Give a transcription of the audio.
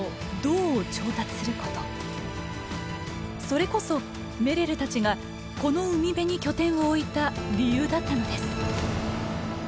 それこそメレルたちがこの海辺に拠点を置いた理由だったのです。